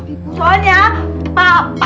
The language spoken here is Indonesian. bisa berubah juga